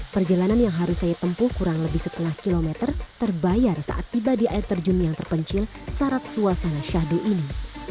perjalanan yang harus saya tempuh kurang lebih setengah kilometer terbayar saat tiba di air terjun yang terpencil syarat suasana syahdu ini